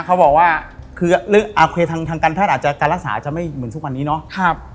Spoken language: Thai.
เขาบอกว่าคืออาการรักษาอาจจะไม่เหมือนทุกวันนี้เนอะ